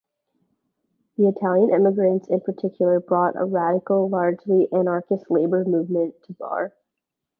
The Italian immigrants in particular brought a radical, largely anarchist labor movement to Barre.